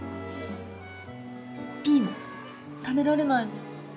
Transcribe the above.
ピーマン食べられないの。